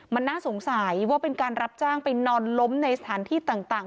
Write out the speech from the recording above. มันน่าสงสัยว่าเป็นการรับจ้างไปนอนล้มในสถานที่ต่าง